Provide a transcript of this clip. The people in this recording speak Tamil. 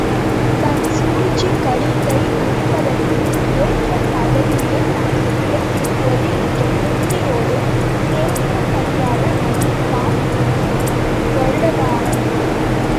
தன் சூழ்ச்சிக் கருத்தை முடிப்பதற்கு ஏற்ற பதவியே தனக்குக் கிடைத்திருக்கிறது என்ற திருப்தியோடு சேனாபதியாக நடித்தான் வருடகாரன்.